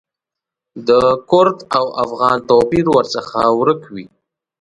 د کرد او افغان توپیر ورڅخه ورک وي.